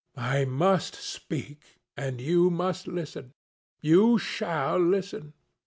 "I must speak, and you must listen. You shall listen.